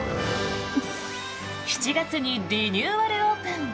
７月にリニューアルオープン。